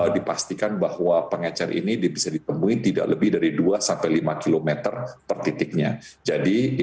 dipastikan bahwa pengecer ini bisa ditemui tidak lebih dari dua sampai lima km per titiknya